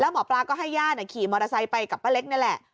หมอปลาก็ให้ญาติขี่มอเตอร์ไซค์ไปกับป้าเล็กนี่แหละ